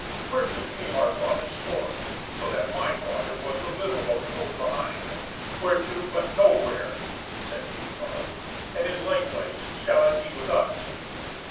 "Whereto came our fathers forth, so that my father was the little boat towed behind? Whereto, but nowhere?" says Gunnlaug. "And in likewise shall it be with us."